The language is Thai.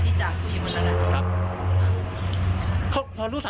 ที่นี่มีปัญหา